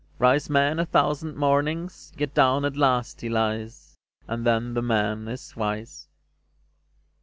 Rise man a thousand mornings Yet down at last he lies, And then the man is wise."